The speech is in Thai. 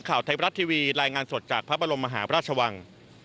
ข่าวไทยบรัฐทีวีรายงานสดจากพระบรมมหาพระราชวัง